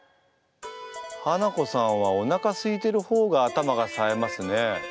ハナコさんはおなかすいてる方が頭がさえますね。